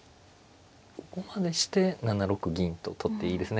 ここまでして７六銀と取っていいですね。